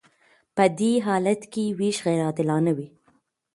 په دې حالت کې ویش غیر عادلانه وي.